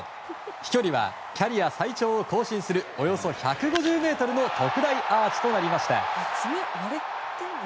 飛距離はキャリア最長を更新するおよそ１５０ｍの特大アーチとなりました。